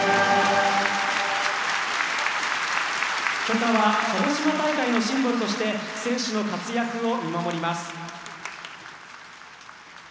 炬火は鹿児島大会のシンボルとして選手の活躍を見守ります。